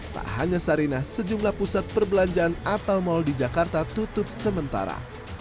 tak hanya sarinah sejumlah pusat perbelanjaan atau mal di jakarta tutup sementara